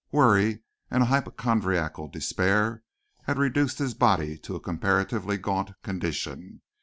Worry and a hypochondriacal despair had reduced his body to a comparatively gaunt condition.